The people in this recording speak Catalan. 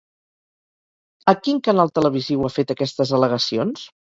A quin canal televisiu ha fet aquestes al·legacions?